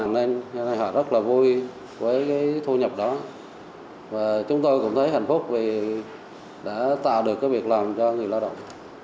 nên cho nên họ rất là vui với cái thu nhập đó và chúng tôi cũng thấy hạnh phúc vì đã tạo được cái việc làm cho người lao động